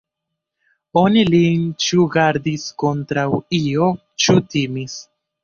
Oni lin ĉu gardis kontraŭ io, ĉu timis.